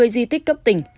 bảy mươi di tích cấp tỉnh